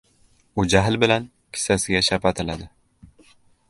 u jahl bilan kissasiga shapatiladi.